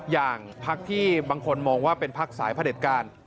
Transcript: อย่างพักที่บางคนมองว่าเป็นพักสายพระเด็จการ